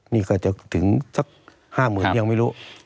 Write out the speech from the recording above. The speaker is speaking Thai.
นี่ก็จะถึงซัก๕หมื่นนึงยังไม่รู้